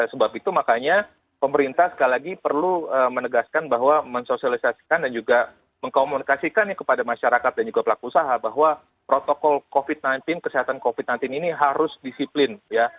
jadi saya ingin mengucapkan kepada masyarakat dan juga pelaku usaha bahwa protokol covid sembilan belas kesehatan covid sembilan belas ini harus disiplin